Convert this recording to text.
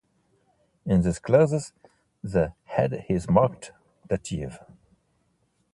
In these clauses the head is marked dative.